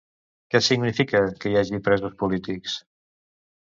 Què significa que hi hagi presos polítics?